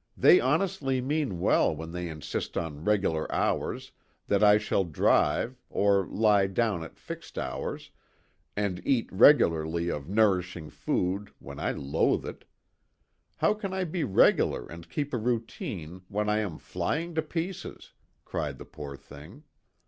" They honestly mean well when they insist on 'regular hours' that I shall drive, or lie down at fixed hours, and eat * regularly ' of ' nourishing food ' when I loathe it. How can I be regular and keep a routine when I am fly ing to pieces ?" cried the poor thing.